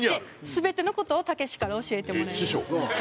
全ての事を『たけし』から教えてもらいました。